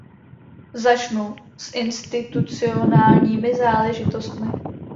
Začnu s institucionálními záležitostmi.